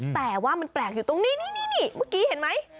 แต่ว่ามันแปลกอยู่ตรงนี้นี่เมื่อกี้เห็นไหม